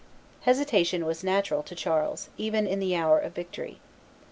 Hesitation was natural to Charles, even in the hour of victory.